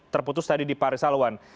terputus tadi di pak risalwan